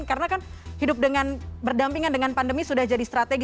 karena kan hidup dengan berdampingan dengan pandemi sudah jadi strategi